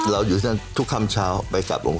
อยู่ที่นั่นทุกคำเช้าไปกลับหลวง